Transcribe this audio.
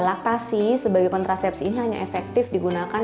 laktasi sebagai kontrasepsi ini hanya efektif digunakan